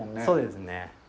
そうですね。